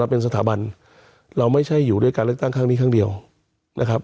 เป็นสถาบันเราไม่ใช่อยู่ด้วยการเลือกตั้งครั้งนี้ข้างเดียวนะครับ